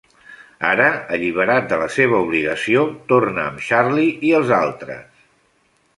Ara, alliberat de la seva obligació, torna amb Charlie i els altres.